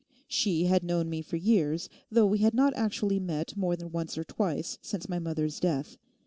She had known me for years, though we had not actually met more than once or twice since my mother's death.